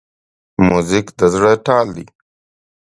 موزیک د زړه تال ده.